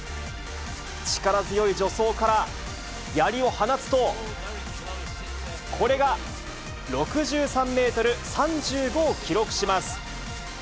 力強い助走からやりを放つと、これが６３メートル３５を記録します。